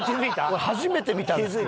これ初めて見たんですけど。